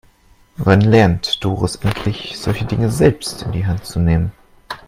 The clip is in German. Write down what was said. Wann lernt Doris endlich, solche Dinge selbst in die Hand zu nehmen?